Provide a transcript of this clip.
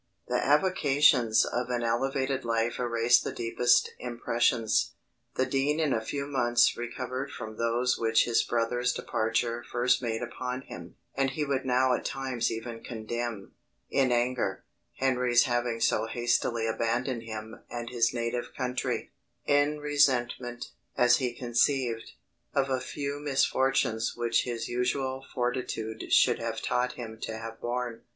The avocations of an elevated life erase the deepest impressions. The dean in a few months recovered from those which his brother's departure first made upon him: and he would now at times even condemn, in anger, Henry's having so hastily abandoned him and his native country, in resentment, as he conceived, of a few misfortunes which his usual fortitude should have taught him to have borne.